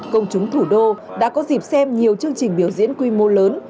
công chúng thủ đô đã có dịp xem nhiều chương trình biểu diễn quy mô lớn